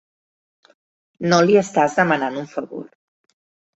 No li estàs demanant un favor.